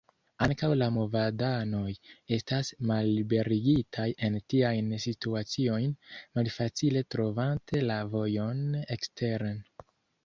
Ankaŭ la movadanoj estas malliberigitaj en tiajn situaciojn, malfacile trovante la vojon eksteren.